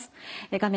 画面